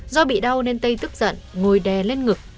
do bị đau nên tây tức giận ngồi đè lên ngực